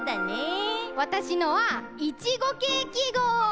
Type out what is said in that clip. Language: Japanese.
わたしのはイチゴケーキごう。